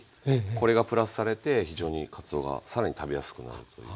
これがプラスされて非常にかつおが更に食べやすくなるという。